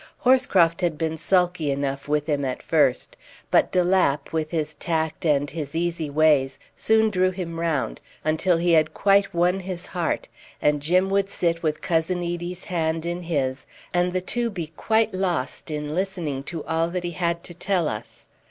Horscroft had been sulky enough with him at first; but de Lapp, with his tact and his easy ways, soon drew him round, until he had quite won his heart, and Jim would sit with Cousin Edie's hand in his, and the two be quite lost in listening to all that he had to tell us.